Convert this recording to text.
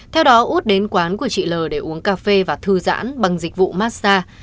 theo đó út đến quán của chị l để uống cà phê và thư giãn bằng dịch vụ massage